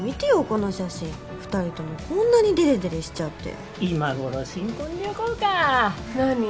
この写真２人ともこんなにデレデレしちゃって今頃新婚旅行か何？